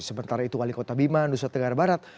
sementara itu wali kota bima nusa tenggara barat